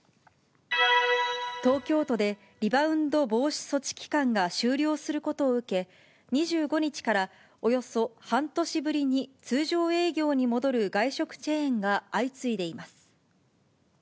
東京都で、リバウンド防止措置期間が終了することを受け、２５日から、およそ半年ぶりに通常営業に戻る外食チェーンが相次いでいます。